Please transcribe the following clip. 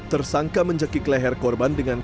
tersangka menjekik leher korban dengan